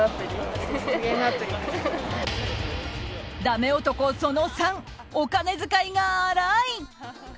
ダメ男その３お金遣いが荒い！